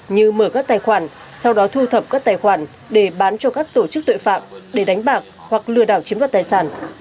như mở các tài khoản sau đó thu thập các tài khoản để bán cho các tổ chức tội phạm để đánh bạc hoặc lừa đảo chiếm đoạt tài sản